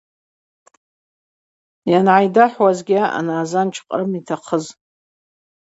Йангӏайдахӏвуазгьи аъан Азанч Кърым йтахъыз.